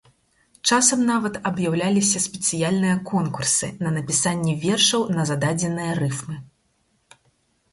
Часам нават аб'яўляліся спецыяльныя конкурсы на напісанне вершаў на зададзеныя рыфмы.